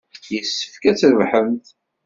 Yessefk ad trebḥemt.